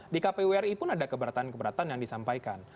di kpuri pun ada keberatan keberatan yang disampaikan